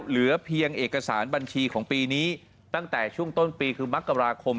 เหลือเพียงเอกสารบัญชีของปีนี้ตั้งแต่ช่วงต้นปีคือมกราคม